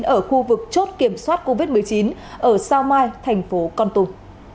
ở khu vực chốt kiểm soát covid một mươi chín ở sao mai thành phố con tùng